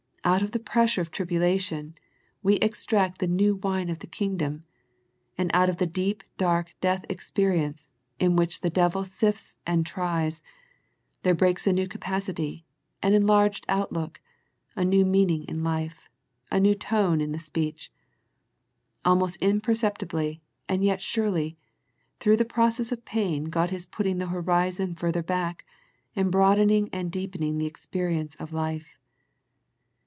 Out of the pressure of tribulation we extract the new wine of the Kingdom, and out of the deep dark death experience in which the devil sifts and tries, there breaks a new capac ity, an enlarged outlook, a new meaning in life, a new tone in the speech. Almost impercepti bly and yet surely, through the process of pain God is putting the horizon further back, and broadening and deepening the experience of life.